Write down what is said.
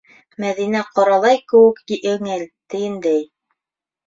Мәҙинә ҡоралай кеүек еңел, тейендәй